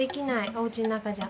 おうちのなかじゃ。